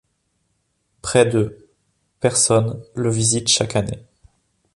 Près de personnes le visitent chaque année.